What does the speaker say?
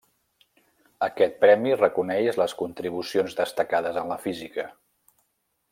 Aquest premi reconeix les contribucions destacades en la física.